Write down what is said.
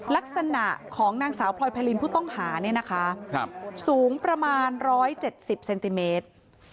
ลักษณะของนางสาวพลอยไพรินผู้ต้องหาเนี่ยนะคะสูงประมาณ๑๗๐เซนติเมตร